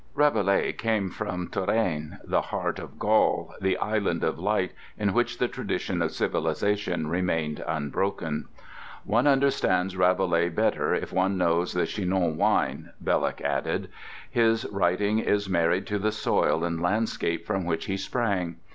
Rabelais came from Touraine—the heart of Gaul, the island of light in which the tradition of civilization remained unbroken. One understands Rabelais better if one knows the Chinon wine, Belloc added. His writing is married to the soil and landscape from which he sprang.